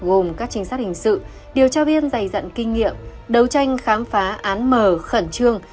gồm các trinh sát hình sự điều tra viên dày dặn kinh nghiệm đấu tranh khám phá án mở khẩn trương